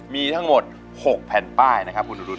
มีทั้งหมด๖แผ่นป้ายนะครับคุณอรุณ